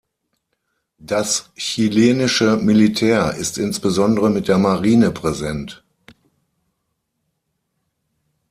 Das chilenische Militär ist insbesondere mit der Marine präsent.